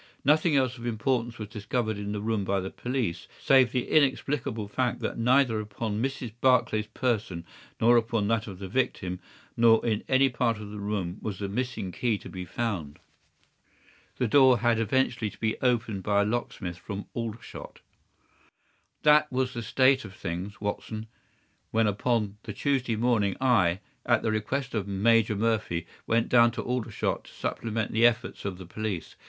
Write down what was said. Nothing else of importance was discovered in the room by the police, save the inexplicable fact that neither upon Mrs. Barclay's person nor upon that of the victim nor in any part of the room was the missing key to be found. The door had eventually to be opened by a locksmith from Aldershot. "That was the state of things, Watson, when upon the Tuesday morning I, at the request of Major Murphy, went down to Aldershot to supplement the efforts of the police.